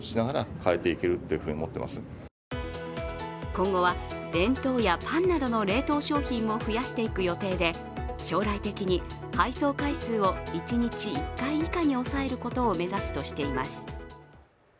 今後は弁当やパンなどの冷凍商品も増やしていく予定で将来的に配送回数を１日１回以下に抑えることを目指すとしています。